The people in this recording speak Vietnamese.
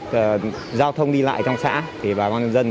và giao thông đi lại trong xã